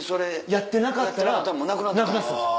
やってなかったらなくなってたんです。